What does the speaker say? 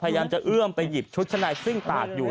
พยายามจะเอื้อมไปหยิบชุดชั้นในซึ่งตากอยู่